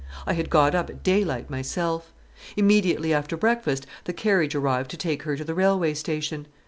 I had got up at daylight myself. Immediately after breakfast the carriage arrived to take her to the railway station.